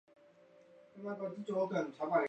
离母糕用四十八片非常整齐均匀的糕块。